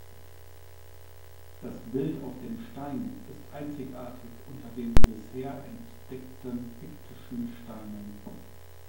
Das Bild auf dem Stein ist einzigartig unter den bisher entdeckten piktischen Steinen.